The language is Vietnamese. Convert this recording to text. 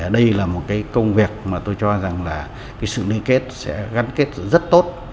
đây là một cái công việc mà tôi cho rằng là sự liên kết sẽ gắn kết rất tốt